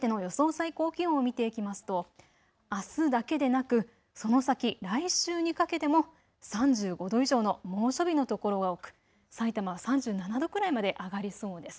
最高気温を見ていきますとあすだけでなくその先、来週にかけても３５度以上の猛暑日の所が多くさいたまは３７度くらいまで上がりそうです。